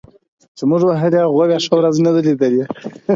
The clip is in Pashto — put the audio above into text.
چي موږ وهلي هغوی بیا ښه ورځ نه ده لیدلې